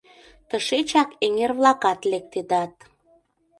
Тышечак эҥер-влакат лектедат.